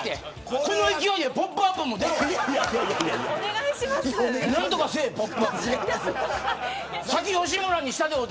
この勢いでポップＵＰ！も出ろ。